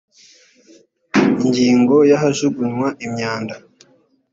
ingingo ya ahajugunywa imyanda